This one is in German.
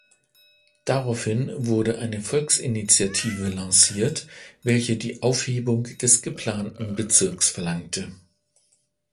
Daraufhin wurde eine Volksinitiative lanciert, welche die Aufhebung des geplanten Bezirks verlangte.